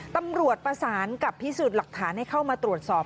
ตำรวจประสานกับพิสูจน์หลักฐานให้เข้ามาตรวจสอบ